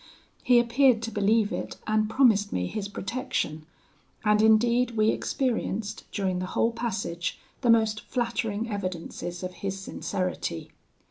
He appeared to believe it, and promised me his protection; and indeed we experienced, during the whole passage, the most flattering evidences of his sincerity.